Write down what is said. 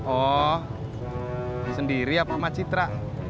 oh sendiri apa sama citra